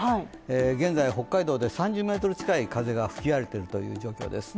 現在北海道で３０ｍ近い風が吹き荒れているという状況です